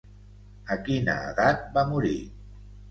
A quina edat va morir?